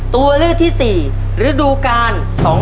ตัวเลือกที่๔ฤดูกาล๒๕๖